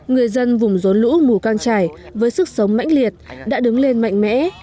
người dân vùng rốn lũ mù căng trải với sức sống mãnh liệt đã đứng lên mạnh mẽ